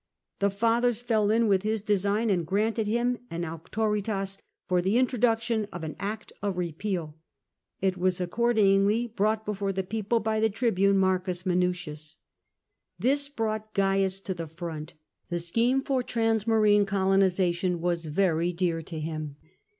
The Fathers fell in with his design, and granted him an auctoritas for the introduction of an act of repeal. It was accordingly brought before the people by the tribune, M. Minucius. This brought Cains to the front. The scheme for transmarine colonisation was very dear to him.